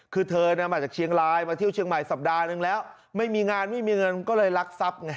คือเธอน่ะมาจากเชียงรายมาเที่ยวเชียงใหม่สัปดาห์นึงแล้วไม่มีงานไม่มีเงินก็เลยรักทรัพย์ไง